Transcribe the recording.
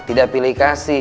tidak pilih kasih